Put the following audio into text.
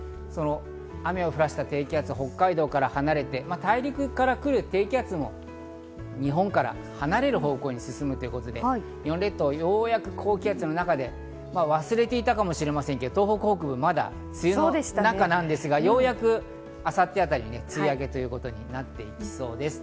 雨を降らせた低気圧は北海道から離れて、大陸からくる低気圧も日本から離れる方向に進むということで、ようやく高気圧の中で日本列島は忘れていたかもしれませんが、東北北部はまだ梅雨の中なんですが、ようやく明後日あたりに梅雨明けということになっていきそうです。